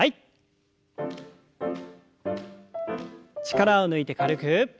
力を抜いて軽く。